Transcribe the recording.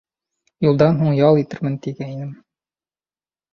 Юлдан һуң ял итермен тигәйнем.